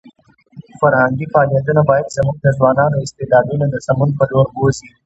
فرهنګي فعالیتونه باید زموږ د ځوانانو استعدادونه د سمون په لور بوځي.